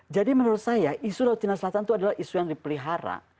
jadi menurut saya isu laut china selatan itu adalah isu yang dipelihara